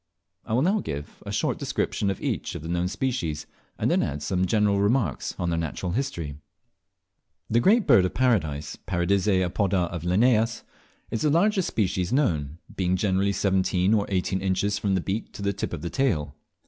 I will now give a short description of each of the known species, and then add some general remarks on their natural history. The Great Bird of Paradise (Paradisea apoda of Linnaeus) is the largest species known, being generally seventeen or eighteen inches from the beak to the tip of the tail.